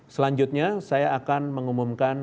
selanjutnya saya akan mengumumkan